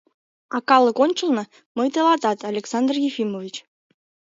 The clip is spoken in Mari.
— А калык ончылно мый тылатат Александр Ефимович.